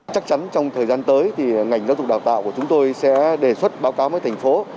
chắc chắn trong thời gian tới thì ngành giáo dục đào tạo của chúng tôi sẽ đề xuất báo cáo với thành phố